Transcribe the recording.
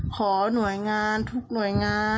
ขอหน่วยงานทุกหน่วยงาน